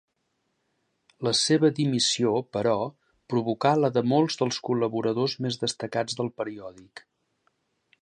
La seva dimissió, però, provocà la de molts dels col·laboradors més destacats del periòdic.